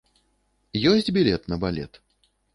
Ёсць білет на балет?